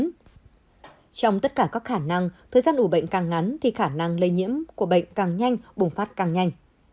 trong tất cả các khả năng thời gian ủ bệnh càng ngắn thì khả năng lây nhiễm của bệnh càng nhanh bùng phát càng nhanh